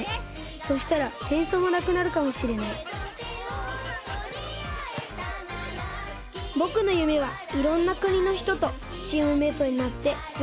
そしたらせんそうもなくなるかもしれないぼくのゆめはいろんなくにのひととチームメートになってよ